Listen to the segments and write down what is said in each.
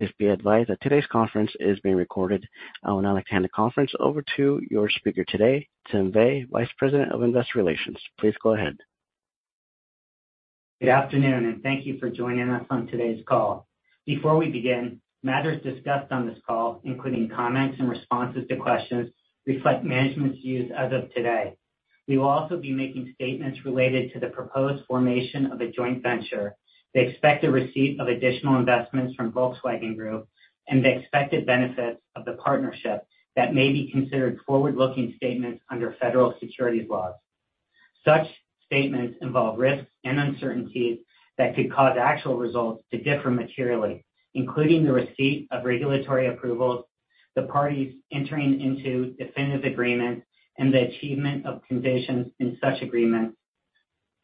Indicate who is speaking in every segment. Speaker 1: This is the advisor. Today's conference is being recorded. I would now like to hand the conference over to your speaker today, Tim Bei, Vice President, Investor Relations. Please go ahead.
Speaker 2: Good afternoon, and thank you for joining us on today's call. Before we begin, matters discussed on this call, including comments and responses to questions, reflect management's views as of today. We will also be making statements related to the proposed formation of a joint venture, the expected receipt of additional investments from Volkswagen Group, and the expected benefits of the partnership that may be considered forward-looking statements under federal securities laws. Such statements involve risks and uncertainties that could cause actual results to differ materially, including the receipt of regulatory approvals, the parties entering into definitive agreements, and the achievement of conditions in such agreements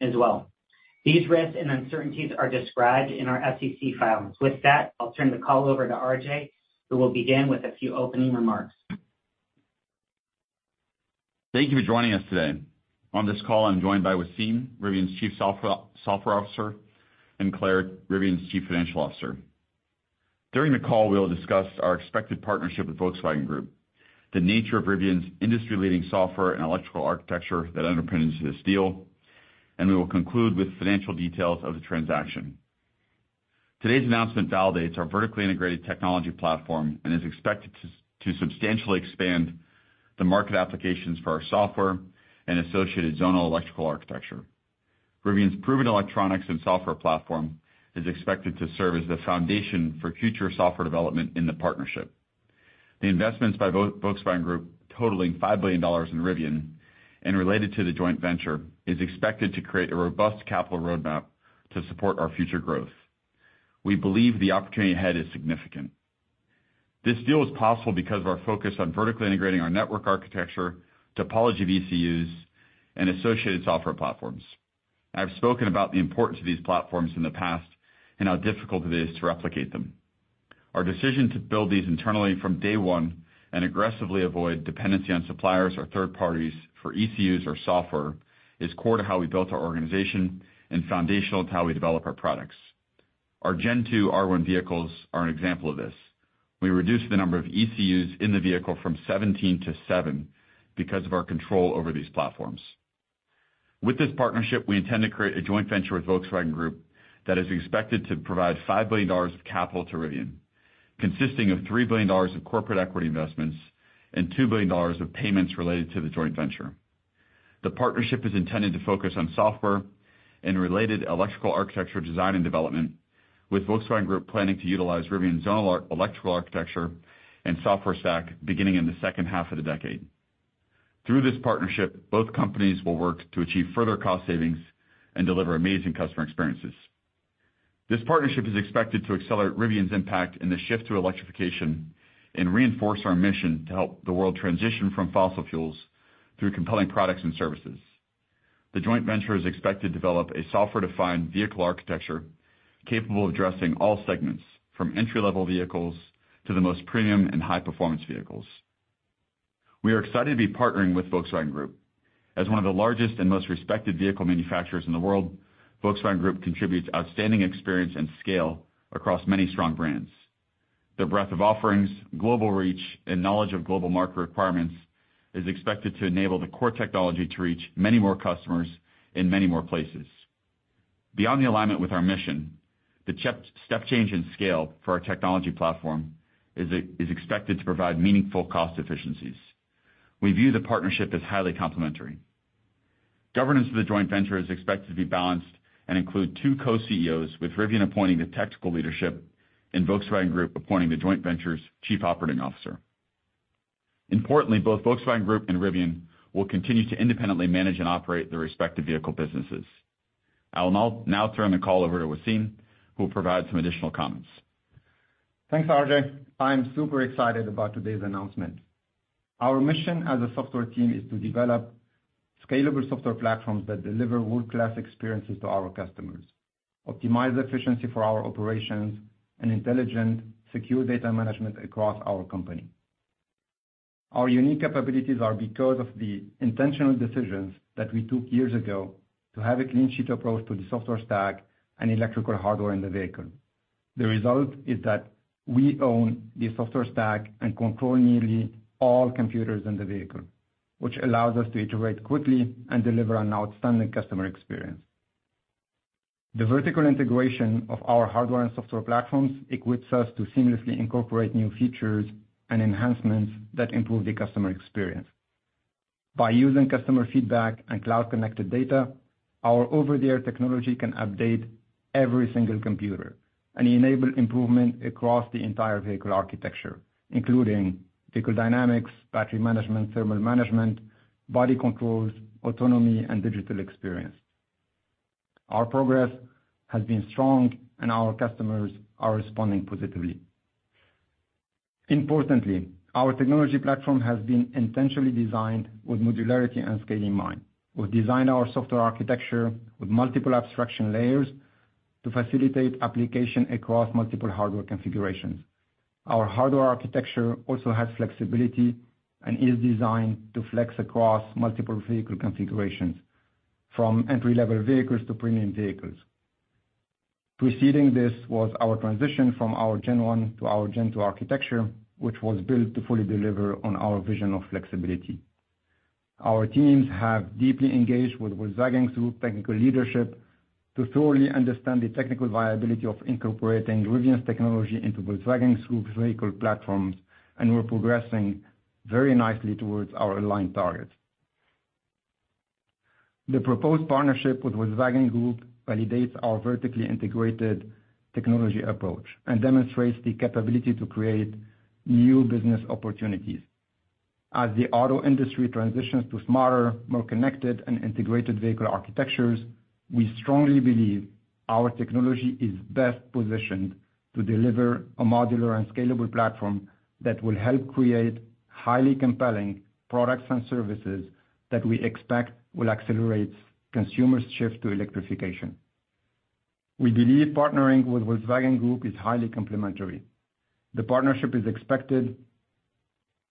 Speaker 2: as well. These risks and uncertainties are described in our SEC filings. With that, I'll turn the call over to RJ, who will begin with a few opening remarks.
Speaker 3: Thank you for joining us today. On this call, I'm joined by Wassym, Rivian's Chief Software Officer, and Claire, Rivian's Chief Financial Officer. During the call, we'll discuss our expected partnership with Volkswagen Group, the nature of Rivian's industry-leading software and electrical architecture that underpins this deal, and we will conclude with financial details of the transaction. Today's announcement validates our vertically integrated technology platform and is expected to substantially expand the market applications for our software and associated zonal electrical architecture. Rivian's proven electronics and software platform is expected to serve as the foundation for future software development in the partnership. The investments by Volkswagen Group, totaling $5 billion in Rivian and related to the joint venture, are expected to create a robust capital roadmap to support our future growth. We believe the opportunity ahead is significant. This deal is possible because of our focus on vertically integrating our network architecture, topology VCUs, and associated software platforms. I've spoken about the importance of these platforms in the past and how difficult it is to replicate them. Our decision to build these internally from day one and aggressively avoid dependency on suppliers or third parties for ECUs or software is core to how we built our organization and foundational to how we develop our products. Our Gen 2 R1 vehicles are an example of this. We reduced the number of ECUs in the vehicle from 17 to seven because of our control over these platforms. With this partnership, we intend to create a joint venture with Volkswagen Group that is expected to provide $5 billion of capital to Rivian, consisting of $3 billion of corporate equity investments and $2 billion of payments related to the joint venture. The partnership is intended to focus on software and related electrical architecture design and development, with Volkswagen Group planning to utilize Rivian's zonal electrical architecture and software stack beginning in the second half of the decade. Through this partnership, both companies will work to achieve further cost savings and deliver amazing customer experiences. This partnership is expected to accelerate Rivian's impact in the shift to electrification and reinforce our mission to help the world transition from fossil fuels through compelling products and services. The joint venture is expected to develop a software-defined vehicle architecture capable of addressing all segments, from entry-level vehicles to the most premium and high-performance vehicles. We are excited to be partnering with Volkswagen Group. As one of the largest and most respected vehicle manufacturers in the world, Volkswagen Group contributes outstanding experience and scale across many strong brands. The breadth of offerings, global reach, and knowledge of global market requirements is expected to enable the core technology to reach many more customers in many more places. Beyond the alignment with our mission, the step change in scale for our technology platform is expected to provide meaningful cost efficiencies. We view the partnership as highly complementary. Governance of the joint venture is expected to be balanced and include two co-CEOs, with Rivian appointing the technical leadership and Volkswagen Group appointing the joint venture's Chief Operating Officer. Importantly, both Volkswagen Group and Rivian will continue to independently manage and operate their respective vehicle businesses. I will now turn the call over to Wassym, who will provide some additional comments.
Speaker 4: Thanks, RJ. I'm super excited about today's announcement. Our mission as a software team is to develop scalable software platforms that deliver world-class experiences to our customers, optimize efficiency for our operations, and intelligent, secure data management across our company. Our unique capabilities are because of the intentional decisions that we took years ago to have a clean-sheet approach to the software stack and electrical hardware in the vehicle. The result is that we own the software stack and control nearly all computers in the vehicle, which allows us to iterate quickly and deliver an outstanding customer experience. The vertical integration of our hardware and software platforms equips us to seamlessly incorporate new features and enhancements that improve the customer experience. By using customer feedback and cloud-connected data, our over-the-air technology can update every single computer and enable improvement across the entire vehicle architecture, including vehicle dynamics, battery management, thermal management, body controls, autonomy, and digital experience. Our progress has been strong, and our customers are responding positively. Importantly, our technology platform has been intentionally designed with modularity and scaling in mind. We've designed our software architecture with multiple abstraction layers to facilitate application across multiple hardware configurations. Our hardware architecture also has flexibility and is designed to flex across multiple vehicle configurations, from entry-level vehicles to premium vehicles. Preceding this was our transition from our Gen 1 to our Gen 2 architecture, which was built to fully deliver on our vision of flexibility. Our teams have deeply engaged with Volkswagen Group technical leadership to thoroughly understand the technical viability of incorporating Rivian's technology into Volkswagen Group's vehicle platforms, and we're progressing very nicely towards our aligned targets. The proposed partnership with Volkswagen Group validates our vertically integrated technology approach and demonstrates the capability to create new business opportunities. As the auto industry transitions to smarter, more connected, and integrated vehicle architectures, we strongly believe our technology is best positioned to deliver a modular and scalable platform that will help create highly compelling products and services that we expect will accelerate consumers' shift to electrification. We believe partnering with Volkswagen Group is highly complementary. The partnership is expected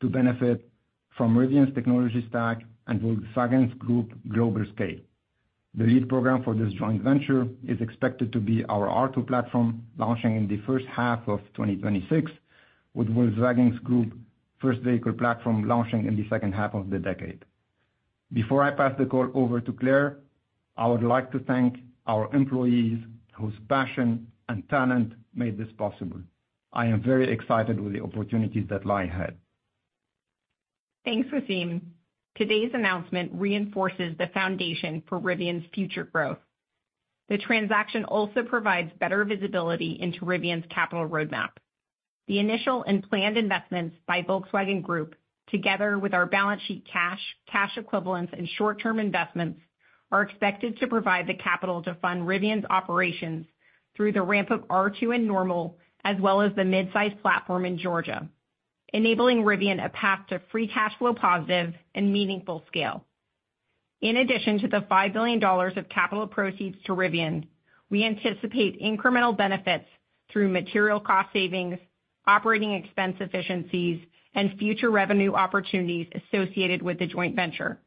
Speaker 4: to benefit from Rivian's technology stack and Volkswagen Group's global scale. The lead program for this joint venture is expected to be our R2 platform, launching in the first half of 2026, with Volkswagen Group's first vehicle platform launching in the second half of the decade. Before I pass the call over to Claire, I would like to thank our employees whose passion and talent made this possible. I am very excited with the opportunities that lie ahead.
Speaker 5: Thanks, Wassym. Today's announcement reinforces the foundation for Rivian's future growth. The transaction also provides better visibility into Rivian's capital roadmap. The initial and planned investments by Volkswagen Group, together with our balance sheet cash, cash equivalents, and short-term investments, are expected to provide the capital to fund Rivian's operations through the ramp-up R2 in Normal, as well as the mid-size platform in Georgia, enabling Rivian a path to free cash flow positive and meaningful scale. In addition to the $5 billion of capital proceeds to Rivian, we anticipate incremental benefits through material cost savings, operating expense efficiencies, and future revenue opportunities associated with the joint venture.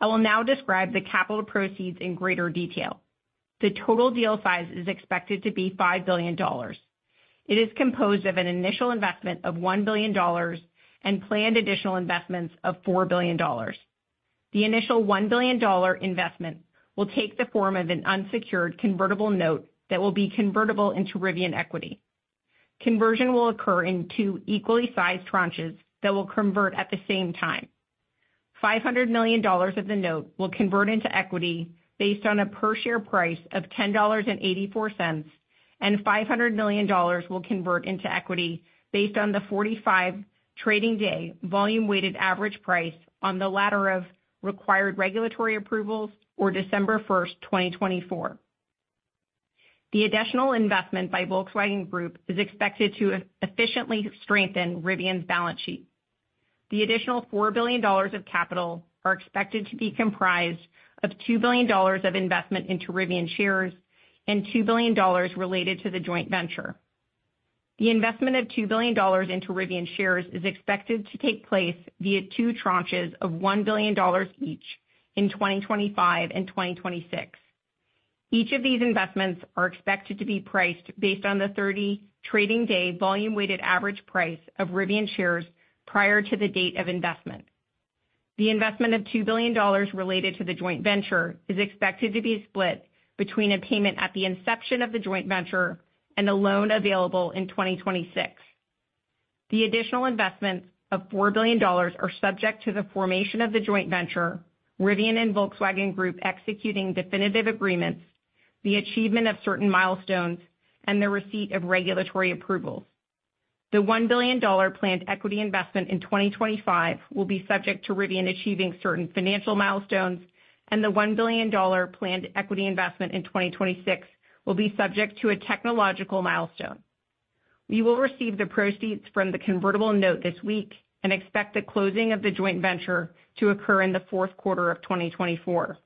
Speaker 5: I will now describe the capital proceeds in greater detail. The total deal size is expected to be $5 billion. It is composed of an initial investment of $1 billion and planned additional investments of $4 billion. The initial $1 billion investment will take the form of an unsecured convertible note that will be convertible into Rivian equity. Conversion will occur in two equally sized tranches that will convert at the same time. $500 million of the note will convert into equity based on a per-share price of $10.84, and $500 million will convert into equity based on the 45 trading day volume-weighted average price on the latter of required regulatory approvals or December 1, 2024. The additional investment by Volkswagen Group is expected to efficiently strengthen Rivian's balance sheet. The additional $4 billion of capital are expected to be comprised of $2 billion of investment into Rivian shares and $2 billion related to the joint venture. The investment of $2 billion into Rivian shares is expected to take place via two tranches of $1 billion each in 2025 and 2026. Each of these investments are expected to be priced based on the 30 trading day volume-weighted average price of Rivian shares prior to the date of investment. The investment of $2 billion related to the joint venture is expected to be split between a payment at the inception of the joint venture and a loan available in 2026. The additional investments of $4 billion are subject to the formation of the joint venture, Rivian and Volkswagen Group executing definitive agreements, the achievement of certain milestones, and the receipt of regulatory approvals. The $1 billion planned equity investment in 2025 will be subject to Rivian achieving certain financial milestones, and the $1 billion planned equity investment in 2026 will be subject to a technological milestone. We will receive the proceeds from the convertible note this week and expect the closing of the joint venture to occur in the fourth quarter of 2024.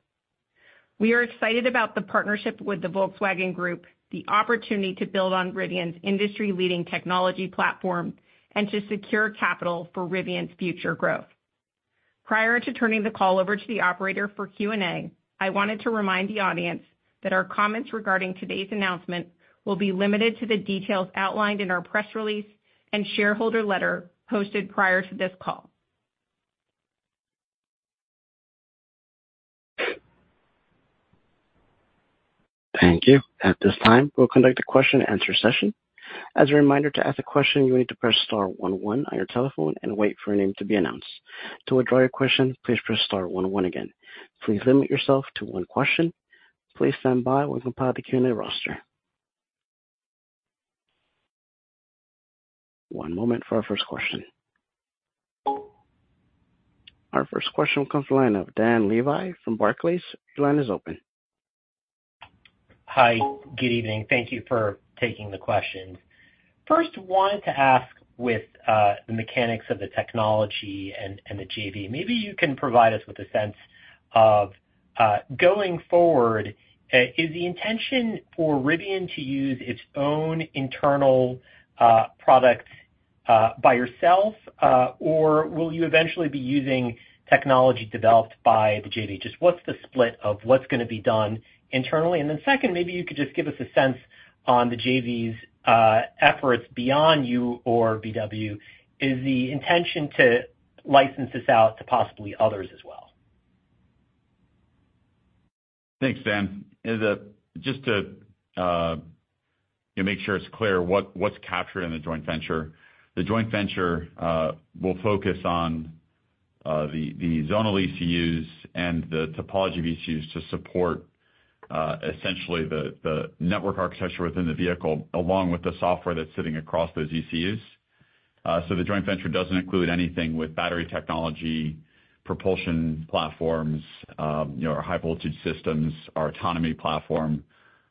Speaker 5: We are excited about the partnership with the Volkswagen Group, the opportunity to build on Rivian's industry-leading technology platform, and to secure capital for Rivian's future growth. Prior to turning the call over to the operator for Q&A, I wanted to remind the audience that our comments regarding today's announcement will be limited to the details outlined in our press release and shareholder letter posted prior to this call.
Speaker 1: Thank you. At this time, we'll conduct a question-and-answer session. As a reminder, to ask a question, you'll need to press star one one on your telephone and wait for your name to be announced. To withdraw your question, please press star one one again. Please limit yourself to one question. Please stand by while we compile the Q&A roster. One moment for our first question. Our first question will come from the line of Dan Levy from Barclays. Your line is open.
Speaker 6: Hi. Good evening. Thank you for taking the question. First, I wanted to ask with the mechanics of the technology and the JV, maybe you can provide us with a sense of going forward, is the intention for Rivian to use its own internal product by yourself, or will you eventually be using technology developed by the JV? Just what's the split of what's going to be done internally? And then second, maybe you could just give us a sense on the JV's efforts beyond you or VW. Is the intention to license this out to possibly others as well?
Speaker 3: Thanks, Dan. Just to make sure it's clear what's captured in the joint venture, the joint venture will focus on the zonal ECUs and the topology of ECUs to support essentially the network architecture within the vehicle along with the software that's sitting across those ECUs. So the joint venture doesn't include anything with battery technology, propulsion platforms, our high-voltage systems, our autonomy platform,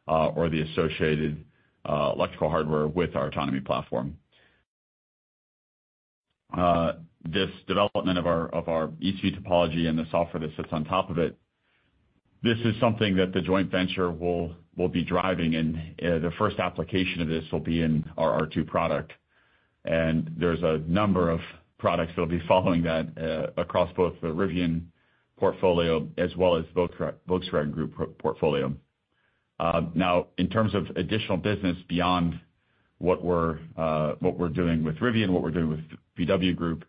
Speaker 3: or the associated electrical hardware with our autonomy platform. This development of our ECU topology and the software that sits on top of it, this is something that the joint venture will be driving, and the first application of this will be in our R2 product. And there's a number of products that will be following that across both the Rivian portfolio as well as Volkswagen Group portfolio. Now, in terms of additional business beyond what we're doing with Rivian, what we're doing with VW Group,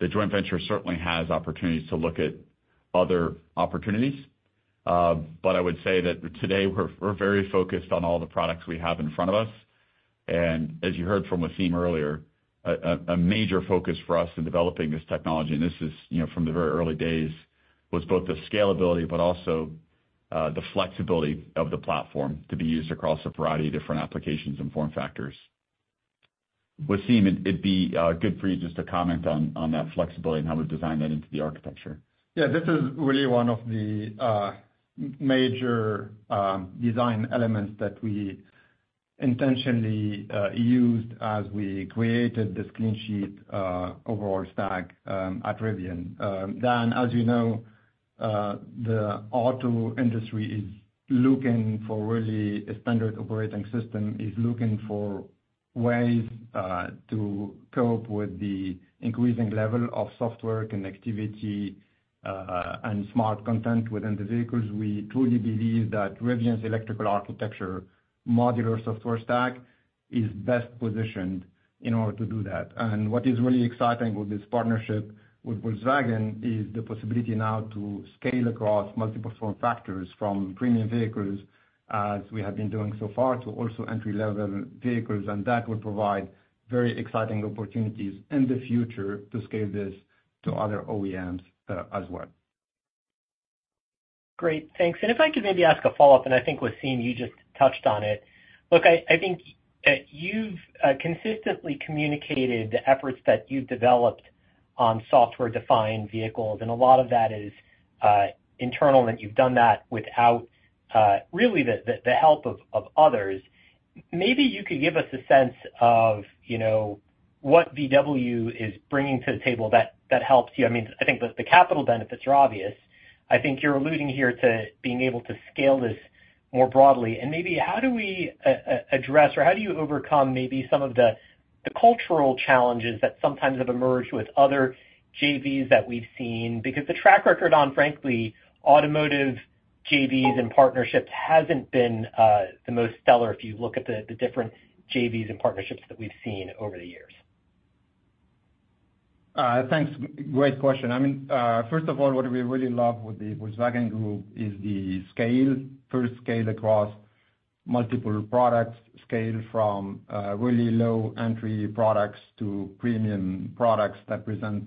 Speaker 3: the joint venture certainly has opportunities to look at other opportunities. But I would say that today we're very focused on all the products we have in front of us. And as you heard from Wassym earlier, a major focus for us in developing this technology, and this is from the very early days, was both the scalability but also the flexibility of the platform to be used across a variety of different applications and form factors. Wassym, it'd be good for you just to comment on that flexibility and how we've designed that into the architecture.
Speaker 4: Yeah, this is really one of the major design elements that we intentionally used as we created the clean-sheet overall stack at Rivian. Dan, as you know, the auto industry is looking for really a standard operating system, is looking for ways to cope with the increasing level of software connectivity and smart content within the vehicles. We truly believe that Rivian's electrical architecture, modular software stack, is best positioned in order to do that. And what is really exciting with this partnership with Volkswagen is the possibility now to scale across multiple form factors from premium vehicles, as we have been doing so far, to also entry-level vehicles. And that will provide very exciting opportunities in the future to scale this to other OEMs as well.
Speaker 6: Great. Thanks. And if I could maybe ask a follow-up, and I think, Wassym, you just touched on it. Look, I think you've consistently communicated the efforts that you've developed on software-defined vehicles, and a lot of that is internal, and you've done that without really the help of others. Maybe you could give us a sense of what VW is bringing to the table that helps you. I mean, I think the capital benefits are obvious. I think you're alluding here to being able to scale this more broadly. And maybe how do we address or how do you overcome maybe some of the cultural challenges that sometimes have emerged with other JVs that we've seen? Because the track record on, frankly, automotive JVs and partnerships hasn't been the most stellar if you look at the different JVs and partnerships that we've seen over the years.
Speaker 4: Thanks. Great question. I mean, first of all, what we really love with the Volkswagen Group is the scale, first scale across multiple products, scale from really low-entry products to premium products that present.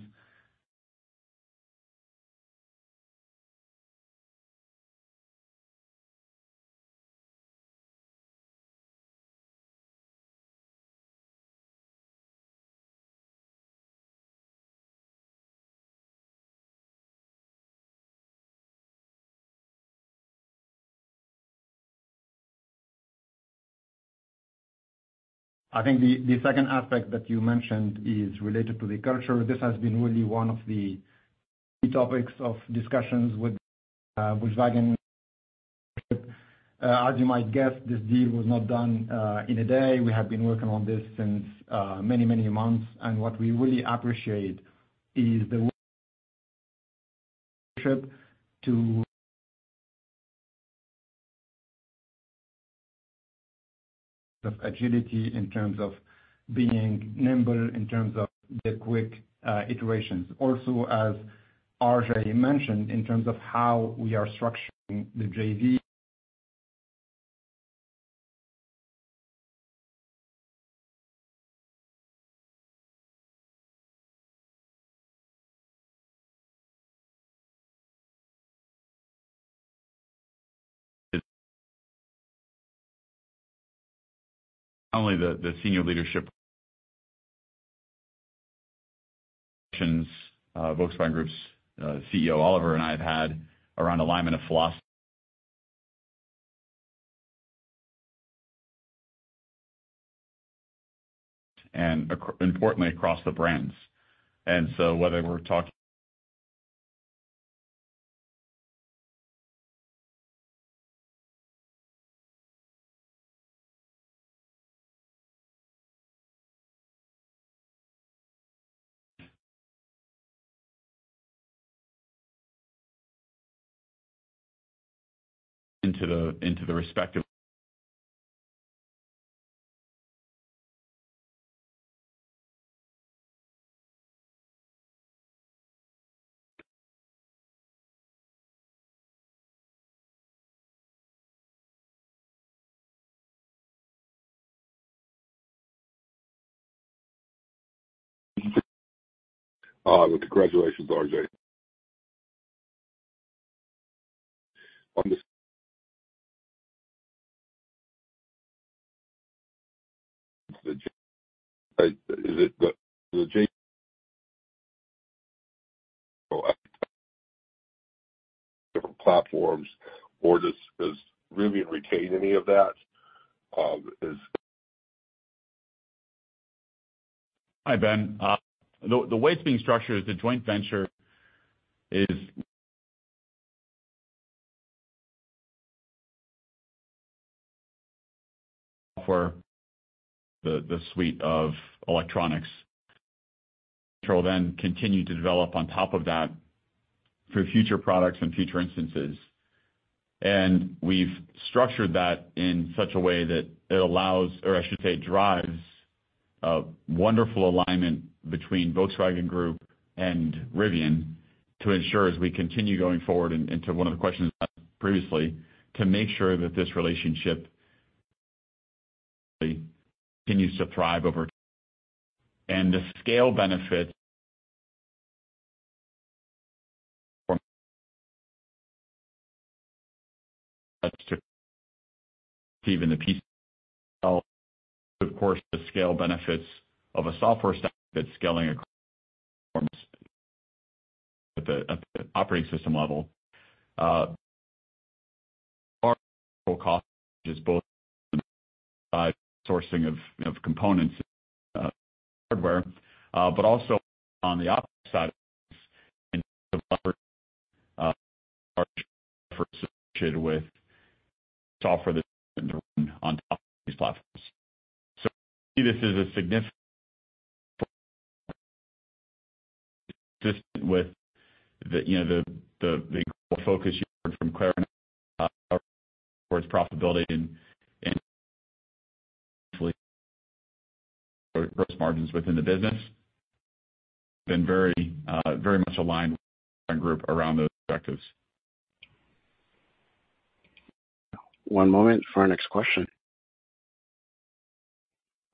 Speaker 4: I think the second aspect that you mentioned is related to the culture. This has been really one of the topics of discussions with Volkswagen. As you might guess, this deal was not done in a day. We have been working on this since many, many months. And what we really appreciate is the agility in terms of being nimble in terms of the quick iterations. Also, as RJ mentioned, in terms of how we are structuring the JV.
Speaker 3: Not only the senior leadership questions Volkswagen Group's CEO Oliver and I have had around alignment of philosophy and importantly across the brands. And so whether we're talking into the respective.
Speaker 7: Congratulations, RJ. Is it the platforms or does Rivian retain any of that?
Speaker 3: Hi, Ben. The way it's being structured is the joint venture is software, the suite of electronics, which will then continue to develop on top of that for future products and future instances. And we've structured that in such a way that it allows, or I should say drives a wonderful alignment between Volkswagen Group and Rivian to ensure as we continue going forward into one of the questions asked previously, to make sure that this relationship continues to thrive over. And the scale benefits. Even the piece of, of course, the scale benefits of a software stack that's scaling across at the operating system level. Our cost is both sourcing of components and hardware, but also on the opposite side of things in terms of large efforts associated with software that's going to run on top of these platforms. This is a significant consistent with the focus you heard from Claire towards profitability and gross margins within the business. Been very much aligned with our group around those objectives.
Speaker 1: One moment for our next question.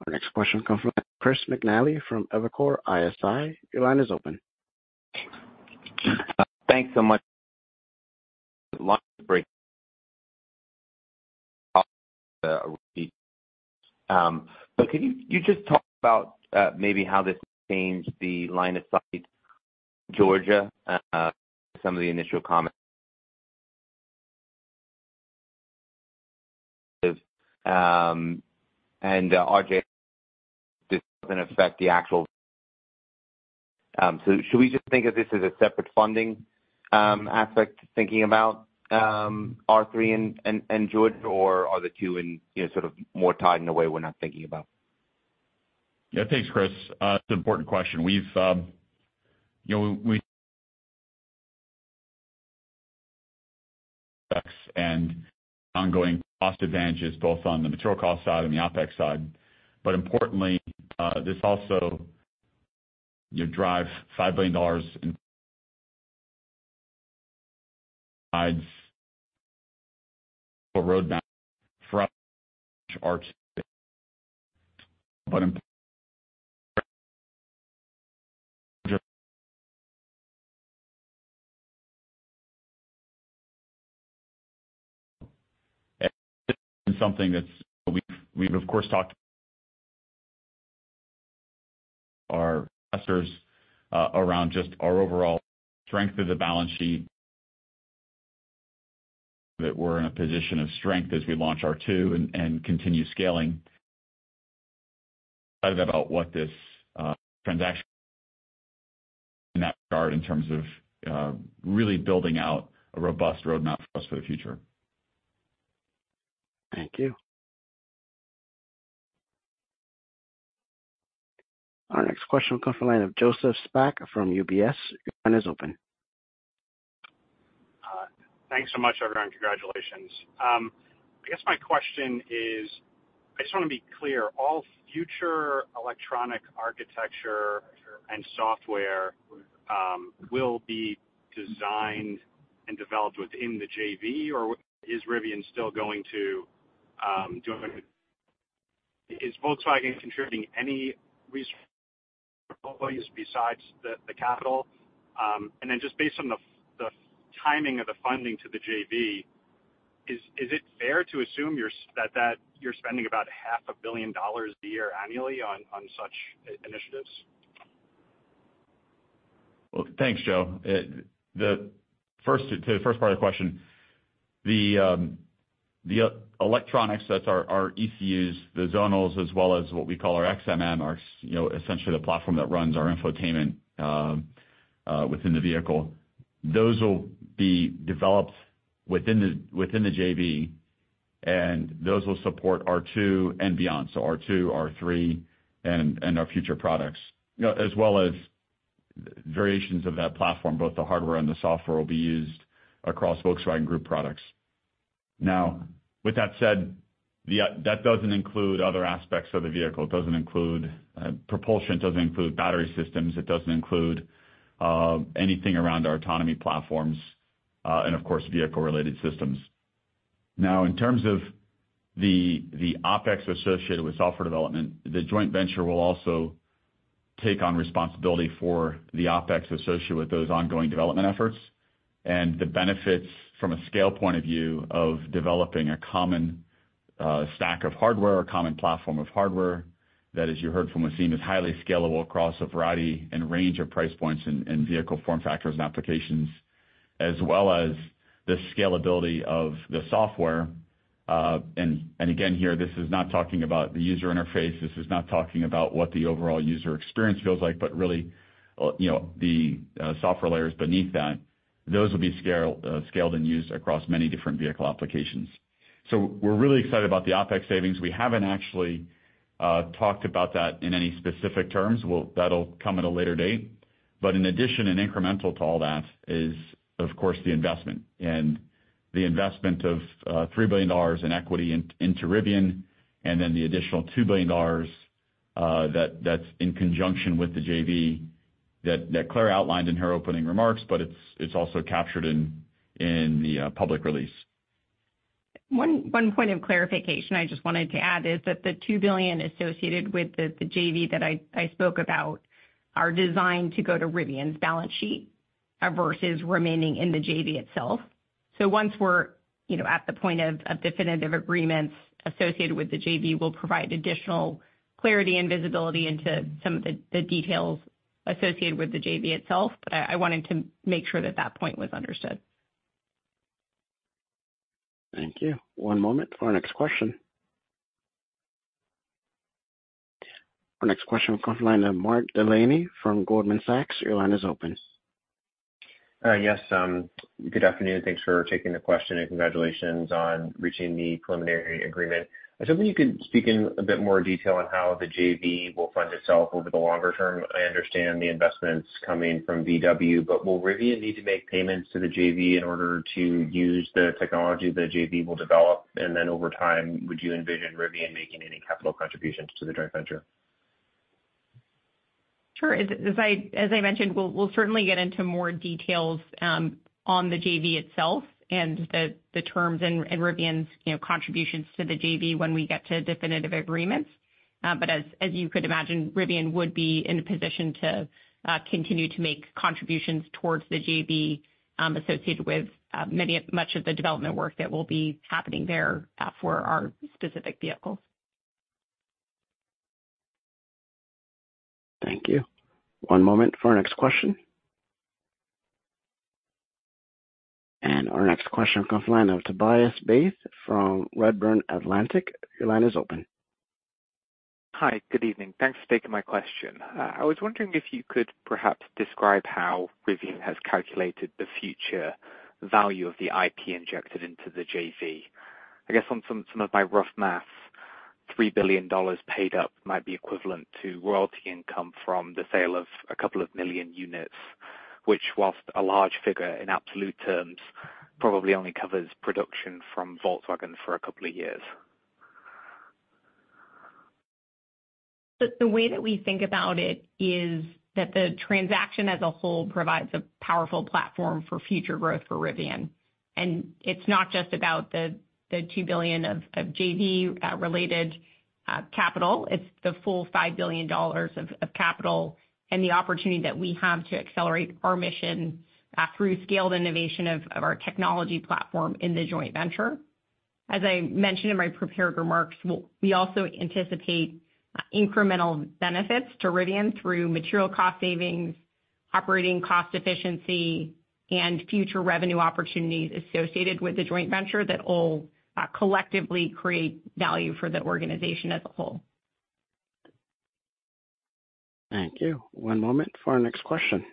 Speaker 1: Our next question will come from Chris McNally from Evercore ISI. Your line is open.
Speaker 8: Thanks so much. But could you just talk about maybe how this changed the line of sight in Georgia, some of the initial comments? And RJ., this doesn't affect the actual. So should we just think of this as a separate funding aspect thinking about R3 and Georgia, or are the two in sort of more tied in a way we're not thinking about?
Speaker 3: Yeah, thanks, Chris. It's an important question. We have ongoing cost advantages both on the material cost side and the OpEx side. But importantly, this also drives $5 billion in roadmap for our space. But this is something that we've, of course, talked to our investors around just our overall strength of the balance sheet. That we're in a position of strength as we launch R2 and continue scaling. About what this transaction in that regard in terms of really building out a robust roadmap for us for the future.
Speaker 1: Thank you. Our next question will come from the line of Joseph Spak from UBS. Your line is open.
Speaker 9: Thanks so much, everyone. Congratulations. I guess my question is, I just want to be clear, all future electronic architecture and software will be designed and developed within the JV, or is Rivian still going to do it? Is Volkswagen contributing any resources besides the capital? And then just based on the timing of the funding to the JV, is it fair to assume that you're spending about $500 million a year annually on such initiatives?
Speaker 3: Well, thanks, Joe. To the first part of the question, the electronics, that's our ECUs, the zonals, as well as what we call our XCM, are essentially the platform that runs our infotainment within the vehicle. Those will be developed within the JV, and those will support R2 and beyond. So R2, R3, and our future products, as well as variations of that platform, both the hardware and the software will be used across Volkswagen Group products. Now, with that said, that doesn't include other aspects of the vehicle. It doesn't include propulsion. It doesn't include battery systems. It doesn't include anything around our autonomy platforms and, of course, vehicle-related systems. Now, in terms of the OpEx associated with software development, the joint venture will also take on responsibility for the OpEx associated with those ongoing development efforts and the benefits from a scale point of view of developing a common stack of hardware, a common platform of hardware that, as you heard from Wassym, is highly scalable across a variety and range of price points and vehicle form factors and applications, as well as the scalability of the software. And again, here, this is not talking about the user interface. This is not talking about what the overall user experience feels like, but really the software layers beneath that. Those will be scaled and used across many different vehicle applications. So we're really excited about the OpEx savings. We haven't actually talked about that in any specific terms. That'll come at a later date. In addition, an incremental to all that is, of course, the investment. The investment of $3 billion in equity into Rivian and then the additional $2 billion that's in conjunction with the JV that Claire outlined in her opening remarks, but it's also captured in the public release.
Speaker 5: One point of clarification I just wanted to add is that the $2 billion associated with the JV that I spoke about are designed to go to Rivian's balance sheet versus remaining in the JV itself. So once we're at the point of definitive agreements associated with the JV itself, we'll provide additional clarity and visibility into some of the details associated with the JV itself. But I wanted to make sure that that point was understood.
Speaker 1: Thank you. One moment for our next question. Our next question will come from Mark Delaney from Goldman Sachs. Your line is open.
Speaker 10: Yes. Good afternoon. Thanks for taking the question and congratulations on reaching the preliminary agreement. I was hoping you could speak in a bit more detail on how the JV will fund itself over the longer term. I understand the investments coming from VW, but will Rivian need to make payments to the JV in order to use the technology the JV will develop? And then over time, would you envision Rivian making any capital contributions to the joint venture?
Speaker 5: Sure. As I mentioned, we'll certainly get into more details on the JV itself and the terms and Rivian's contributions to the JV when we get to definitive agreements. But as you could imagine, Rivian would be in a position to continue to make contributions towards the JV associated with much of the development work that will be happening there for our specific vehicles.
Speaker 1: Thank you. One moment for our next question. Our next question will come from Tobias Beith from Redburn Atlantic. Your line is open.
Speaker 11: Hi, good evening. Thanks for taking my question. I was wondering if you could perhaps describe how Rivian has calculated the future value of the IP injected into the JV. I guess on some of my rough math, $3 billion paid up might be equivalent to royalty income from the sale of a couple of million units, which, whilst a large figure in absolute terms, probably only covers production from Volkswagen for a couple of years.
Speaker 5: The way that we think about it is that the transaction as a whole provides a powerful platform for future growth for Rivian. It's not just about the $2 billion of JV-related capital. It's the full $5 billion of capital and the opportunity that we have to accelerate our mission through scaled innovation of our technology platform in the joint venture. As I mentioned in my prepared remarks, we also anticipate incremental benefits to Rivian through material cost savings, operating cost efficiency, and future revenue opportunities associated with the joint venture that will collectively create value for the organization as a whole.
Speaker 1: Thank you. One moment for our next question.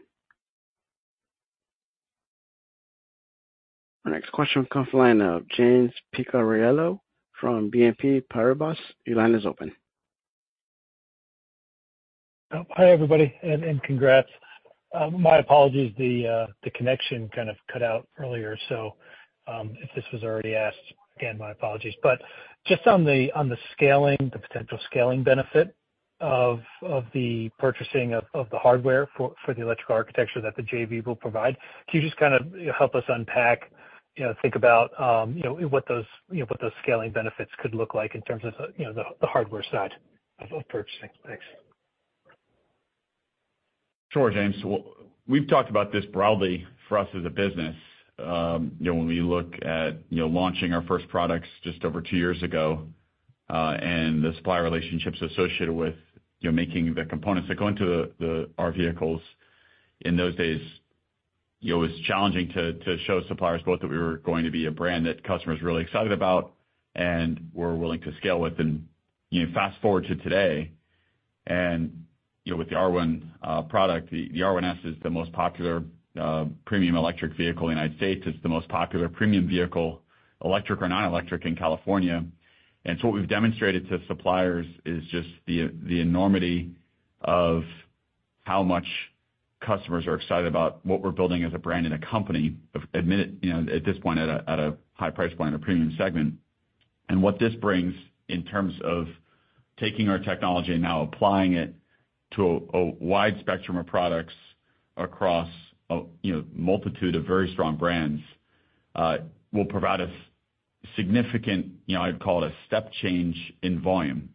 Speaker 1: Our next question will come from James Picariello from BNP Paribas. Your line is open.
Speaker 12: Hi, everybody. Congrats. My apologies, the connection kind of cut out earlier. If this was already asked, again, my apologies. Just on the scaling, the potential scaling benefit of the purchasing of the hardware for the electrical architecture that the JV will provide, can you just kind of help us unpack, think about what those scaling benefits could look like in terms of the hardware side of purchasing? Thanks.
Speaker 3: Sure, James. We've talked about this broadly for us as a business. When we look at launching our first products just over two years ago and the supplier relationships associated with making the components that go into our vehicles in those days, it was challenging to show suppliers both that we were going to be a brand that customers were really excited about and were willing to scale with. Fast forward to today, and with the R1 product, the R1S is the most popular premium electric vehicle in the United States. It's the most popular premium vehicle, electric or non-electric, in California. So what we've demonstrated to suppliers is just the enormity of how much customers are excited about what we're building as a brand and a company at this point at a high price point in a premium segment. And what this brings in terms of taking our technology and now applying it to a wide spectrum of products across a multitude of very strong brands will provide us significant, I'd call it a step change in volume.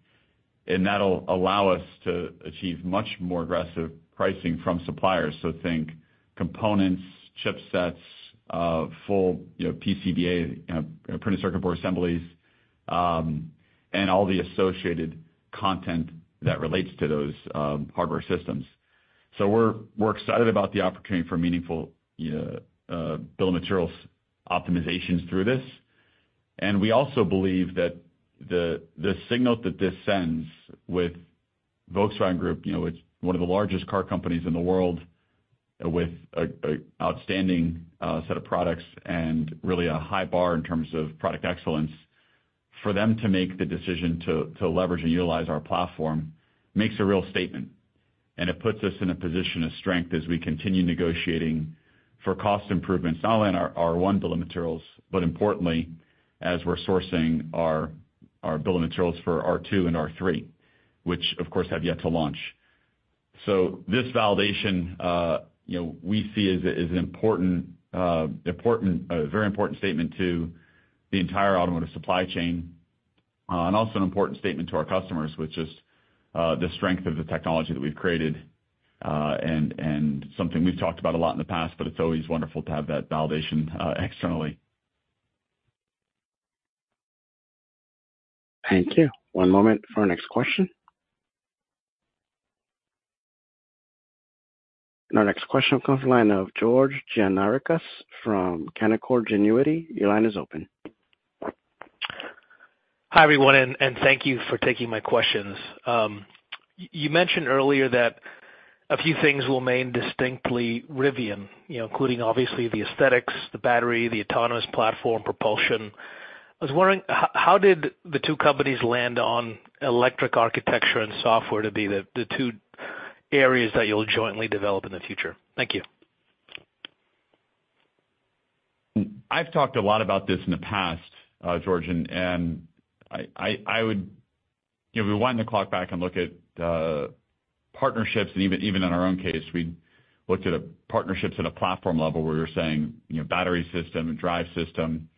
Speaker 3: And that'll allow us to achieve much more aggressive pricing from suppliers. So think components, chipsets, full PCBA, printed circuit board assemblies, and all the associated content that relates to those hardware systems. So we're excited about the opportunity for meaningful bill of materials optimizations through this. And we also believe that the signal that this sends with Volkswagen Group, one of the largest car companies in the world with an outstanding set of products and really a high bar in terms of product excellence, for them to make the decision to leverage and utilize our platform makes a real statement. It puts us in a position of strength as we continue negotiating for cost improvements, not only on our R1 bill of materials, but importantly, as we're sourcing our bill of materials for R2 and R3, which, of course, have yet to launch. This validation we see is an important, very important statement to the entire automotive supply chain and also an important statement to our customers with just the strength of the technology that we've created and something we've talked about a lot in the past, but it's always wonderful to have that validation externally.
Speaker 1: Thank you. One moment for our next question. And our next question will come from the line of George Gianarikas from Canaccord Genuity. Your line is open.
Speaker 13: Hi, everyone, and thank you for taking my questions. You mentioned earlier that a few things will remain distinctly Rivian, including, obviously, the aesthetics, the battery, the autonomous platform, propulsion. I was wondering, how did the two companies land on electrical architecture and software to be the two areas that you'll jointly develop in the future? Thank you.
Speaker 3: I've talked a lot about this in the past, George, and I would, if we wanted to clock back and look at partnerships, and even in our own case, we looked at partnerships at a platform level where we were saying battery system and drive system.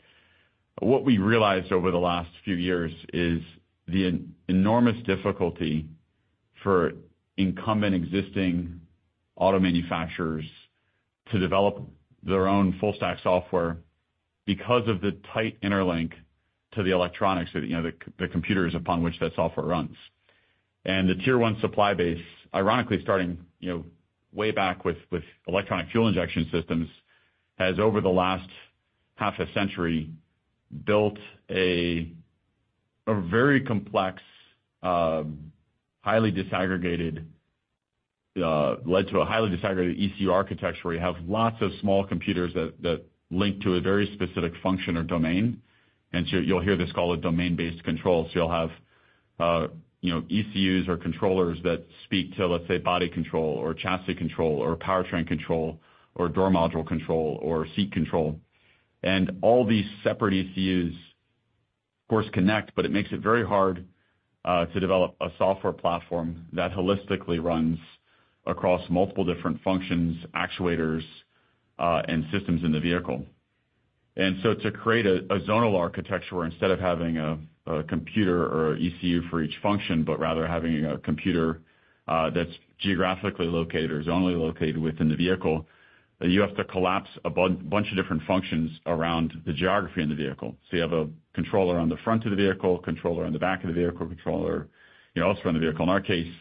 Speaker 3: What we realized over the last few years is the enormous difficulty for incumbent existing auto manufacturers to develop their own full-stack software because of the tight interlink to the electronics, the computers upon which that software runs. And the Tier 1 supply base, ironically, starting way back with electronic fuel injection systems, has over the last half a century built a very complex, highly disaggregated, led to a highly disaggregated ECU architecture where you have lots of small computers that link to a very specific function or domain. And so you'll hear this called a domain-based control. So you'll have ECUs or controllers that speak to, let's say, body control or chassis control or powertrain control or door module control or seat control. And all these separate ECUs, of course, connect, but it makes it very hard to develop a software platform that holistically runs across multiple different functions, actuators, and systems in the vehicle. And so to create a zonal architecture where instead of having a computer or an ECU for each function, but rather having a computer that's geographically located or zonally located within the vehicle, you have to collapse a bunch of different functions around the geography in the vehicle. So you have a controller on the front of the vehicle, a controller on the back of the vehicle, a controller elsewhere in the vehicle. In our case,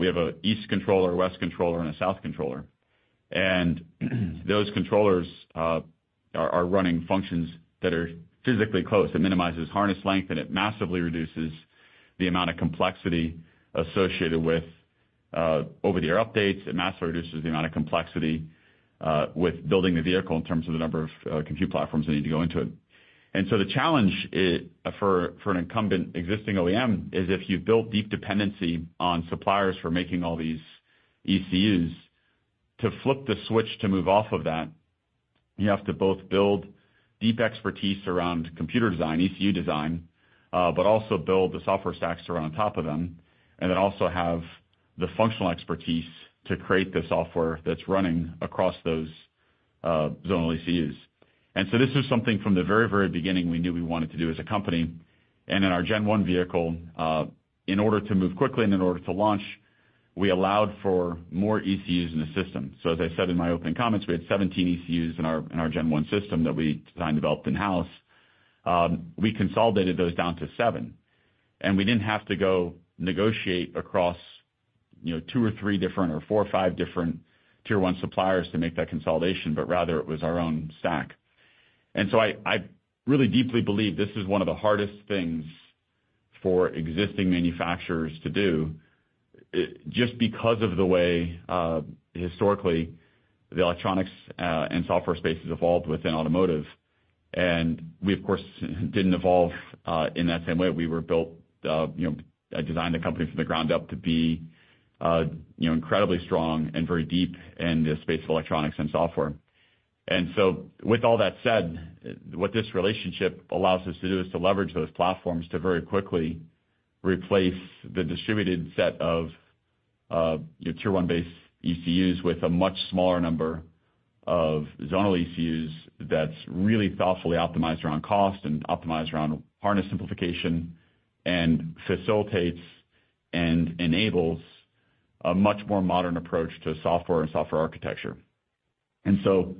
Speaker 3: we have an east controller, a west controller, and a south controller. And those controllers are running functions that are physically close. It minimizes harness length, and it massively reduces the amount of complexity associated with over-the-air updates. It massively reduces the amount of complexity with building the vehicle in terms of the number of compute platforms that need to go into it. And so the challenge for an incumbent existing OEM is if you build deep dependency on suppliers for making all these ECUs, to flip the switch to move off of that, you have to both build deep expertise around computer design, ECU design, but also build the software stacks to run on top of them, and then also have the functional expertise to create the software that's running across those zonal ECUs. And so this was something from the very, very beginning we knew we wanted to do as a company. In our Gen 1 vehicle, in order to move quickly and in order to launch, we allowed for more ECUs in the system. As I said in my opening comments, we had 17 ECUs in our Gen 1 system that we designed and developed in-house. We consolidated those down to 7. We didn't have to go negotiate across 2 or 3 different or 4 or 5 different Tier 1 suppliers to make that consolidation, but rather it was our own stack. So I really deeply believe this is one of the hardest things for existing manufacturers to do just because of the way historically the electronics and software space has evolved within automotive. We, of course, didn't evolve in that same way. We were built and designed a company from the ground up to be incredibly strong and very deep in the space of electronics and software. And so with all that said, what this relationship allows us to do is to leverage those platforms to very quickly replace the distributed set of Tier 1-based ECUs with a much smaller number of zonal ECUs that's really thoughtfully optimized around cost and optimized around harness simplification and facilitates and enables a much more modern approach to software and software architecture. And so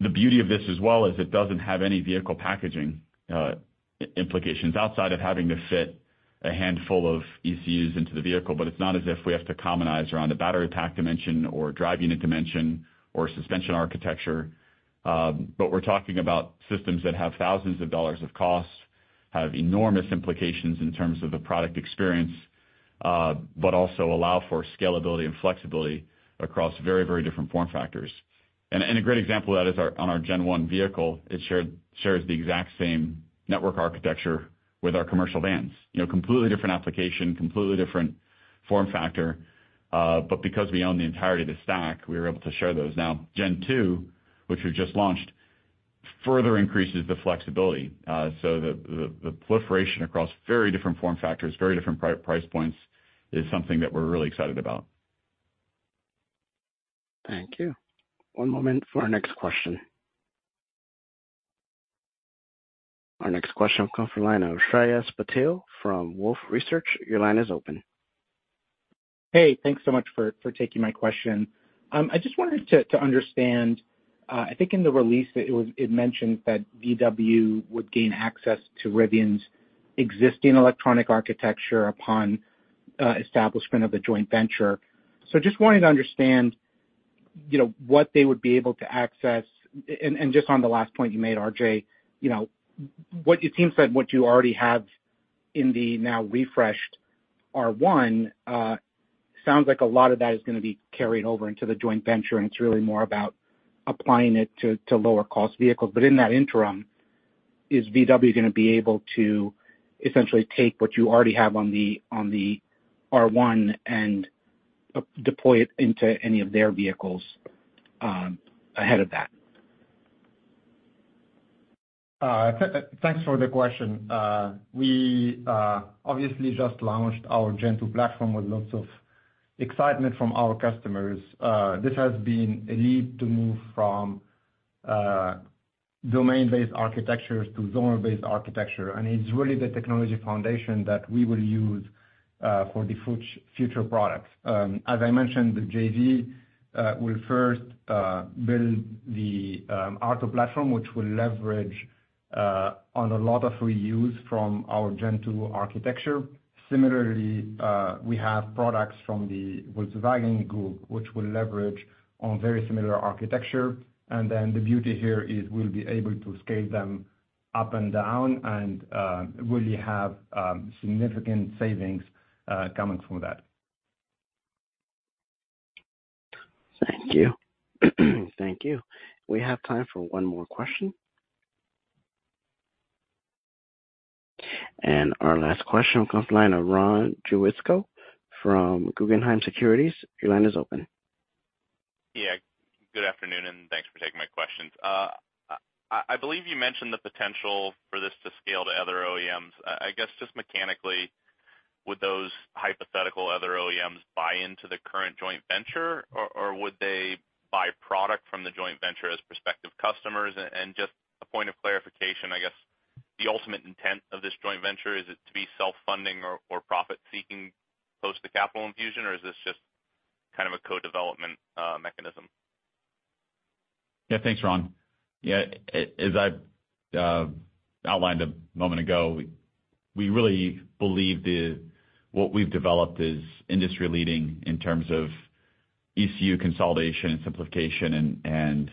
Speaker 3: the beauty of this as well is it doesn't have any vehicle packaging implications outside of having to fit a handful of ECUs into the vehicle, but it's not as if we have to commonize around a battery pack dimension or drive unit dimension or suspension architecture. But we're talking about systems that have thousands of dollars of cost, have enormous implications in terms of the product experience, but also allow for scalability and flexibility across very, very different form factors. And a great example of that is on our Gen 1 vehicle. It shares the exact same network architecture with our commercial vans. Completely different application, completely different form factor. But because we own the entirety of the stack, we were able to share those. Now, Gen 2, which we've just launched, further increases the flexibility. So the proliferation across very different form factors, very different price points is something that we're really excited about.
Speaker 1: Thank you. One moment for our next question. Our next question will come from Shreyas Patil from Wolfe Research. Your line is open.
Speaker 14: Hey, thanks so much for taking my question. I just wanted to understand. I think in the release, it mentioned that VW would gain access to Rivian's existing electronic architecture upon establishment of the joint venture. So just wanting to understand what they would be able to access. And just on the last point you made, RJ, it seems that what you already have in the now refreshed R1 sounds like a lot of that is going to be carried over into the joint venture, and it's really more about applying it to lower-cost vehicles. But in that interim, is VW going to be able to essentially take what you already have on the R1 and deploy it into any of their vehicles ahead of that?
Speaker 3: Thanks for the question. We obviously just launched our Gen 2 platform with lots of excitement from our customers. This has been a leap to move from domain-based architectures to zonal-based architecture. It's really the technology foundation that we will use for the future products. As I mentioned, the JV will first build the R2 platform, which will leverage on a lot of reuse from our Gen 2 architecture. Similarly, we have products from the Volkswagen Group, which will leverage on very similar architecture. Then the beauty here is we'll be able to scale them up and down and really have significant savings coming from that.
Speaker 1: Thank you. Thank you. We have time for one more question. Our last question will come from Ron Jewsikow from Guggenheim Securities. Your line is open.
Speaker 15: Yeah. Good afternoon, and thanks for taking my questions. I believe you mentioned the potential for this to scale to other OEMs. I guess just mechanically, would those hypothetical other OEMs buy into the current joint venture, or would they buy product from the joint venture as prospective customers? And just a point of clarification, I guess, the ultimate intent of this joint venture, is it to be self-funding or profit-seeking post the capital infusion, or is this just kind of a co-development mechanism?
Speaker 3: Yeah, thanks, Ron. Yeah, as I outlined a moment ago, we really believe that what we've developed is industry-leading in terms of ECU consolidation and simplification and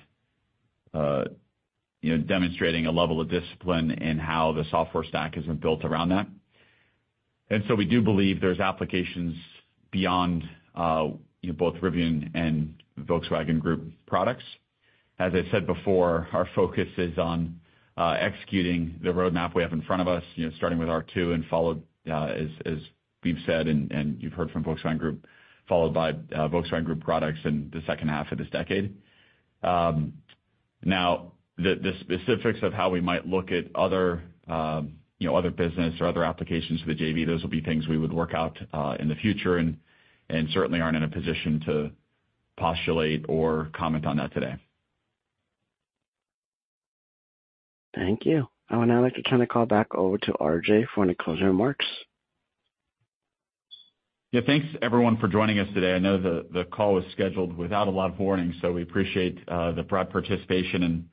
Speaker 3: demonstrating a level of discipline in how the software stack has been built around that. And so we do believe there's applications beyond both Rivian and Volkswagen Group products. As I said before, our focus is on executing the roadmap we have in front of us, starting with R2 and followed, as we've said, and you've heard from Volkswagen Group, followed by Volkswagen Group products in the second half of this decade. Now, the specifics of how we might look at other business or other applications for the JV, those will be things we would work out in the future and certainly aren't in a position to postulate or comment on that today.
Speaker 1: Thank you. I would now like to turn the call back over to RJ for any closing remarks.
Speaker 3: Yeah, thanks, everyone, for joining us today. I know the call was scheduled without a lot of warning, so we appreciate the broad participation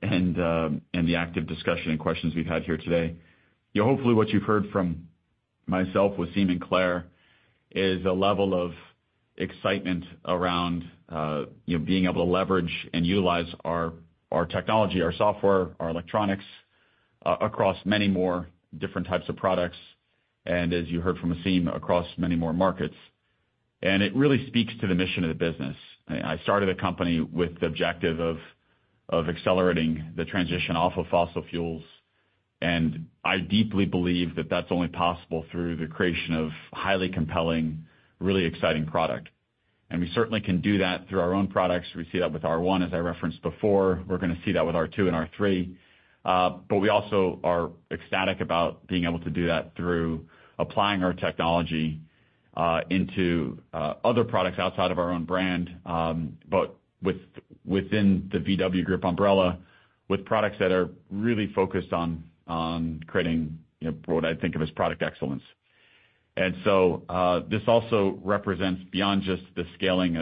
Speaker 3: and the active discussion and questions we've had here today. Hopefully, what you've heard from myself, with Tim and Claire, is a level of excitement around being able to leverage and utilize our technology, our software, our electronics across many more different types of products, and as you heard from Tim, across many more markets. It really speaks to the mission of the business. I started the company with the objective of accelerating the transition off of fossil fuels, and I deeply believe that that's only possible through the creation of a highly compelling, really exciting product. We certainly can do that through our own products. We see that with R1, as I referenced before. We're going to see that with R2 and R3. But we also are ecstatic about being able to do that through applying our technology into other products outside of our own brand, but within the VW Group umbrella, with products that are really focused on creating what I think of as product excellence. And so this also represents beyond just the scaling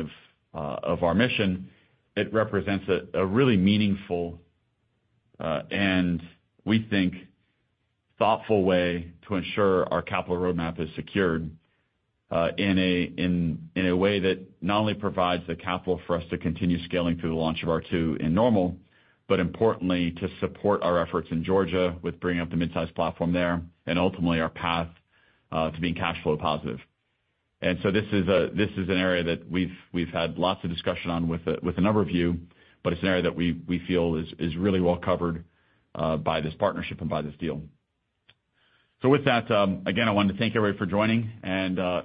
Speaker 3: of our mission, it represents a really meaningful and, we think, thoughtful way to ensure our capital roadmap is secured in a way that not only provides the capital for us to continue scaling through the launch of R2 in Normal, Illinois, but importantly, to support our efforts in Georgia with bringing up the mid-size platform there and ultimately our path to being cash flow positive. So this is an area that we've had lots of discussion on with a number of you, but it's an area that we feel is really well covered by this partnership and by this deal. With that, again, I wanted to thank everybody for joining.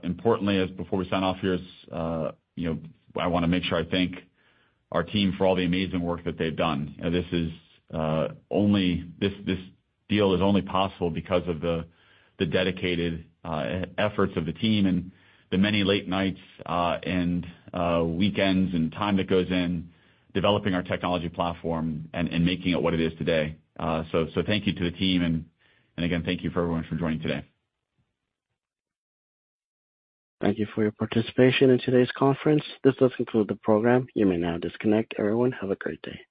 Speaker 3: Importantly, before we sign off here, I want to make sure I thank our team for all the amazing work that they've done. This deal is only possible because of the dedicated efforts of the team and the many late nights and weekends and time that goes in developing our technology platform and making it what it is today. Thank you to the team. Again, thank you for everyone for joining today.
Speaker 1: Thank you for your participation in today's conference. This does conclude the program. You may now disconnect. Everyone, have a great day.